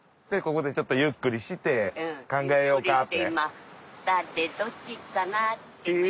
ここでちょっとゆっくりして考えようかって。